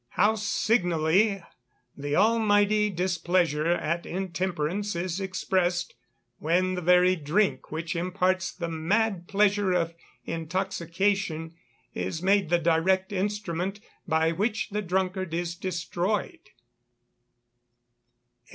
How signally the Almighty displeasure at intemperance is expressed, when the very drink which imparts the mad pleasure of intoxication is made the direct instrument by which the drunkard is destroyed!